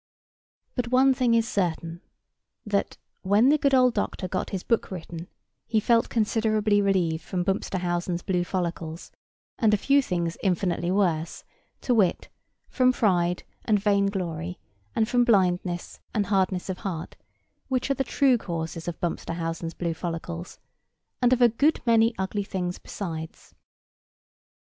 But one thing is certain; that, when the good old doctor got his book written, he felt considerably relieved from Bumpsterhausen's blue follicles, and a few things infinitely worse; to wit, from pride and vain glory, and from blindness and hardness of heart; which are the true causes of Bumpsterhausen's blue follicles, and of a good many other ugly things besides.